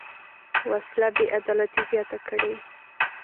وسله بېعدالتي زیاته کړې